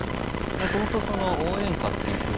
もともとその応援歌っていうふうに。